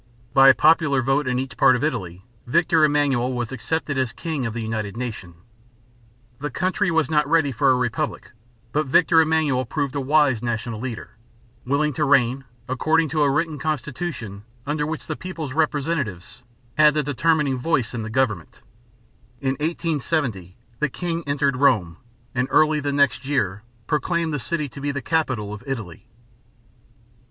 By a popular vote in each part of Italy Victor Emmanuel was accepted as king of the united nation. The country was not ready for a republic; but Victor Emmanuel proved a wise national leader, willing to reign, according to a written constitution under which the people's representatives had the determining voice in the government. In 1870 the king entered Rome and early the next year proclaimed the city to be the capital of Italy.